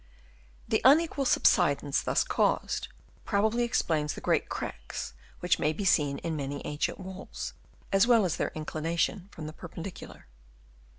The unequal subsidence thus caused, probably explains the great cracks which may be seen in many ancient walls, as well as their inclination from the perpendicular.